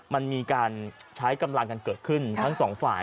มันมีการใช้กำลังกันเกิดขึ้นทั้งสองฝ่าย